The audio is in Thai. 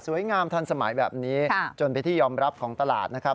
งามทันสมัยแบบนี้จนเป็นที่ยอมรับของตลาดนะครับ